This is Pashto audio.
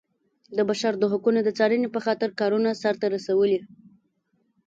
د بشر د حقونو د څارنې په خاطر کارونه سرته رسولي.